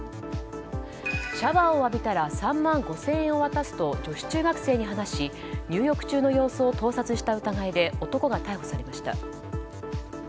シャワーを浴びたら３万５０００円を渡すと女子中学生に話し入浴中の様子を盗撮した疑いで男が逮捕されました。